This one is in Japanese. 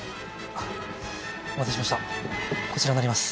お待たせしましたこちらになります。